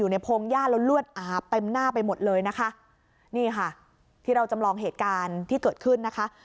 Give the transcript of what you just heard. นี่ค่ะที่เราจำลองเหตุการณ์ที่เกิดขึ้น